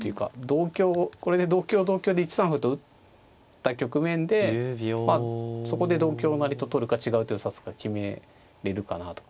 同香をこれで同香同香で１三歩と打った局面でまあそこで同香成と取るか違う手を指すか決めれるかなと。